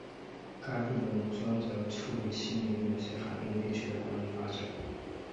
该部门专责处理悉尼某些海滨地区的管理发展。